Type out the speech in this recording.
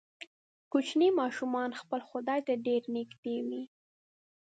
کوچني ماشومان خپل خدای ته ډیر نږدې وي.